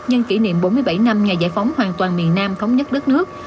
nhân kỷ niệm bốn mươi bảy năm ngày giải phóng hoàn toàn miền nam thống nhất đất nước